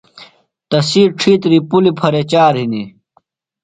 تسی ڇِھیتری پُلیۡ پھرہ بیۡ چار ہِنیۡ۔